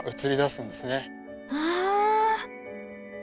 わあ。